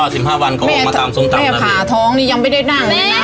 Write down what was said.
ชอบย่างไก่ขลาดแรงนี่ด้วยนะ